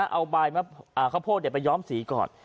เอาข้าวโพดไปย้อมสีก่อน